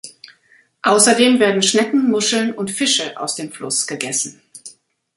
Außerdem werden Schnecken, Muscheln und Fische aus dem Fluss gegessen.